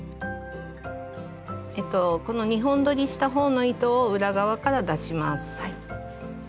この２本どりした方の糸を裏側から出します。